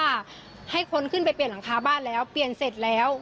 ให้คนขึ้นไปเปลี่ยนหลังคาบ้านแล้วเปลี่ยนเสร็จแล้ว